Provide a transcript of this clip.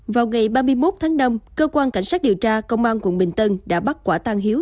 vào ngày ba mươi một tháng năm cơ quan cảnh sát điều tra công an quận bình tân đã bắt quả tang hiếu